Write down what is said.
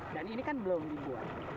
dan ini kan belum dibuat